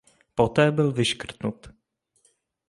Poté byl vyškrtnut.